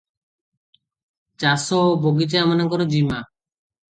ଚାଷ ଓ ବଗିଚା ଏମାନଙ୍କର ଜିମା ।